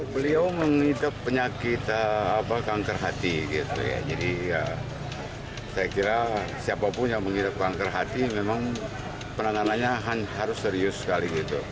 beliau menghidap penyakit kanker hati gitu ya jadi ya saya kira siapapun yang menghidup kanker hati memang penanganannya harus serius sekali gitu